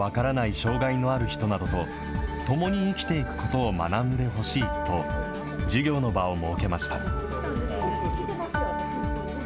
障害のある人などと共に生きていくことを学んでほしいと、授業の場を設けました。